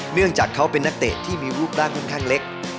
เนื่องจากเขาเป็นนักเตะที่มีรูปร่างค่อนข้างเล็ก